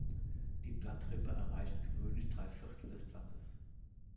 Die Blattrippe erreicht gewöhnlich drei Viertel des Blattes.